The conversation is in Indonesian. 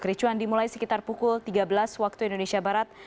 kericuan dimulai sekitar pukul tiga belas waktu indonesia barat